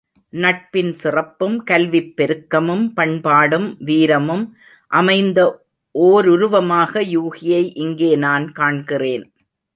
நட்பின் சிறப்பும் கல்விப் பெருக்கமும், பண்பாடும் வீரமும் அமைந்த ஓருருவமாக யூகியை இங்கே நான் காண்கிறேன்.